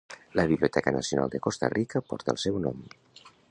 La Biblioteca Nacional de Costa Rica porta el seu nom.